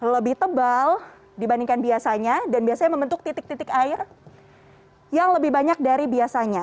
lebih tebal dibandingkan biasanya dan biasanya membentuk titik titik air yang lebih banyak dari biasanya